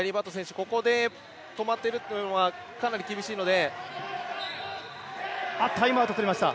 ここで止まるというのはかなり厳しいので。